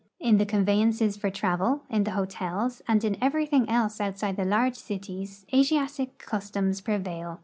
In the conveyances for travel, in the hotels, and in everything else outside the large cities Asiatic customs pre vail.